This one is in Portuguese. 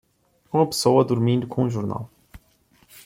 Uma pessoa dormindo com um jornal